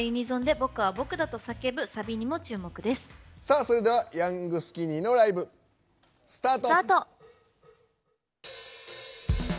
それではヤングスキニーのライブ、スタート。